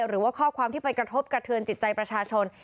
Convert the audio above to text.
หรือว่าข้อความที่ไปกระทบกระเทือนจิตใจประชาชน